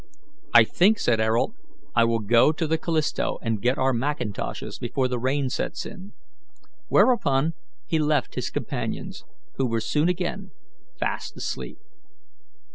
"I think," said Ayrault, "I will go to the Callisto and get our mackintoshes before the rain sets in." Whereupon he left his companions, who were soon again fast asleep.